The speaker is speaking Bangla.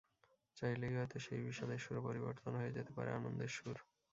চাইলেই হয়তো সেই বিষাদের সুর পরিবর্তন হয়ে যেতে পারে আনন্দের সুর।